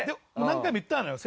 何回も言ったのよ